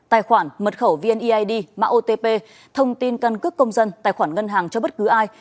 tài khoản mật khẩu vneid mạng otp thông tin căn cước công dân tài khoản ngân hàng cho bất cứ ai